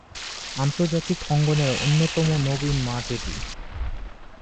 আন্তর্জাতিক অঙ্গনের অন্যতম নবীন মাঠ এটি।